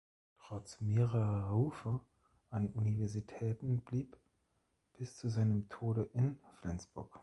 Trotz mehrerer Rufe an Universitäten blieb bis zu seinem Tode in Flensburg.